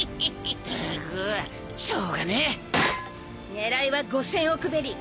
狙いは５，０００億ベリー！